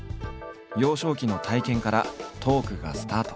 幼少期の体験からトークがスタート。